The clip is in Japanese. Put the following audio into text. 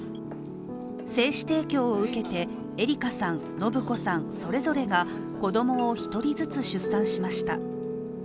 精子提供を受けて、エリカさん、信子さん、それぞれが子供を１人ずつ出産しました。